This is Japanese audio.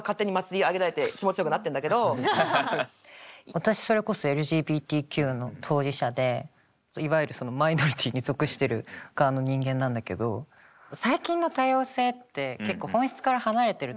私それこそＬＧＢＴＱの当事者でいわゆるそのマイノリティーに属してる側の人間なんだけど最近の多様性って結構本質から離れてるところは結構感じてて。